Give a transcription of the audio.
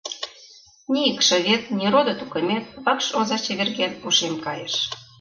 Ни икшывет, ни родо-тукыметВакш оза чеверген, ошем кайыш.